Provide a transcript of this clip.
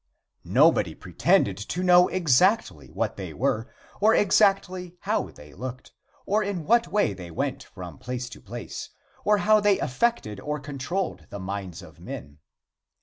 Nobody pretended to know exactly what they were, or exactly how they looked, or in what way they went from place to place, or how they affected or controlled the minds of men.